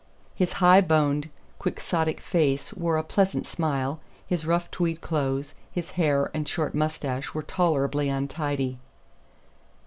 His high boned Quixotic face wore a pleasant smile, his rough tweed clothes, his hair and short mustache were tolerably untidy.